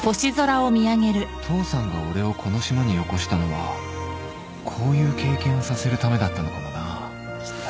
父さんが俺をこの島によこしたのはこういう経験をさせるためだったのかもなきたきたきたきたきたきた！